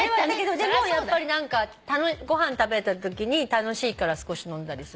でもやっぱり何かご飯食べたときに楽しいから少し飲んだりする。